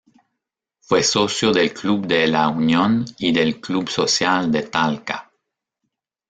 Fue socio del Club de La Unión y del Club Social de Talca.